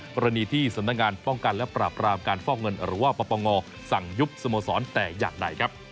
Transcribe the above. กรณีที่สำนักงานป้องกันและปราบรามการฟอกเงินหรือว่าปปงสั่งยุบสโมสรแต่อย่างใดครับ